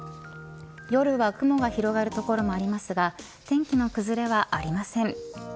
夜は雲が広がる所もありますが天気の崩れはありません。